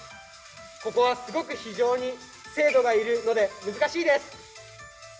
ここはすごく非常に精度が要るので難しいです。